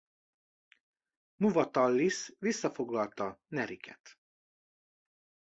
Muvatallisz visszafoglalta Neriket.